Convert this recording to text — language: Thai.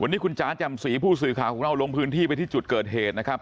วันนี้คุณจ๋าแจ่มสีผู้สื่อข่าวของเราลงพื้นที่ไปที่จุดเกิดเหตุนะครับ